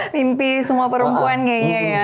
mimpi semua perempuan kayaknya ya